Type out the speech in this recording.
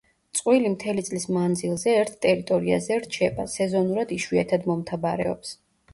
წყვილი მთელი წლის მანძლზე ერთ ტერიტორიაზე რჩება, სეზონურად იშვიათად მომთაბარეობს.